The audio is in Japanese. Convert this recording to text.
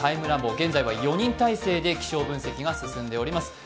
現在は４人体制で気象分析が進んでいます。